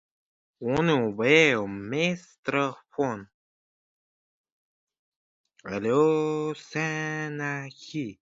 Poʻlat Saidqosimovni o‘n beshinchi yanvar kuni kechqurun qorin sohasidagi ogʻriq bezovta qila boshlagan.